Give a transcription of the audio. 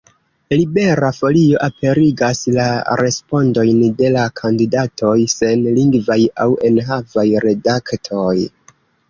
Libera Folio aperigas la respondojn de la kandidatoj sen lingvaj aŭ enhavaj redaktoj.